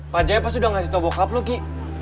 pak jaya pasti udah ngasih tau bokap lu ki